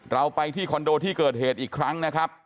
เราไปที่คอนโดที่เกิดเหตุอีกครั้งนะครับ